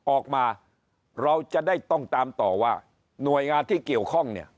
ออกมาเราจะได้ต้องตามต่อว่าหน่วยงานที่เกี่ยวข้องเนี่ย